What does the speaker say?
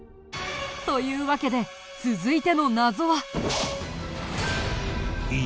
というわけで続いての謎は。